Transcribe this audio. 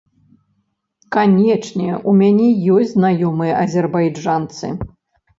Канечне, у мяне ёсць знаёмыя азербайджанцы.